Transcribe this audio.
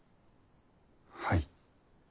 はい。